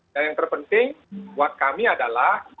dan yang terpenting buat kami adalah